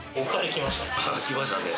来ましたね。